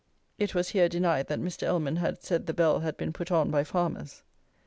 [It was here denied that Mr. Ellman had said the bell had been put on by farmers.